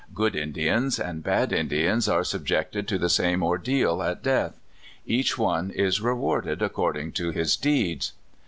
Good Indians and bad Indians are subjected to the same ordeal at death. Each one is rewarded according to his deeds.